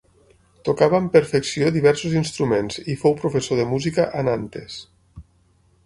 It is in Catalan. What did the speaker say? Tocava amb perfecció diversos instruments i fou professor de música a Nantes.